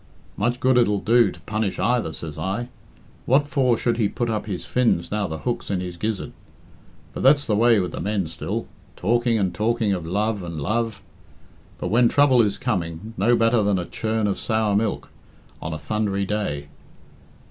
"Much good it'll do to punish either, say I. What for should he put up his fins now the hook's in his gizzard? But that's the way with the men still. Talking and talking of love and love; but when trouble is coming, no better than a churn of sour cream on a thundery day.